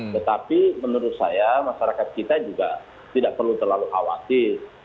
tetapi menurut saya masyarakat kita juga tidak perlu terlalu khawatir